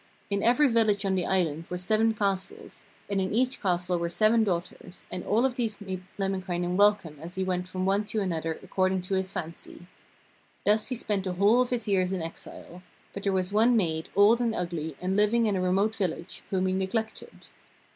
In every village on the island were seven castles, and in each castle were seven daughters, and all of these made Lemminkainen welcome as he went from one to another according to his fancy. Thus he spent the whole of his years of exile; but there was one maid, old and ugly, and living in a remote village, whom he neglected.